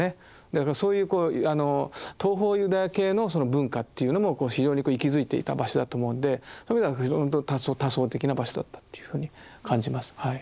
だからそういうこうあの東方ユダヤ系のその文化というのも非常に息づいていた場所だと思うんでそういう意味ではほんと多層的な場所だったというふうに感じます。